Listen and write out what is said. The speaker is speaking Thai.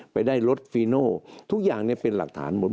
ไปได้รถฟีโน่ทุกอย่างเป็นหลักฐานหมด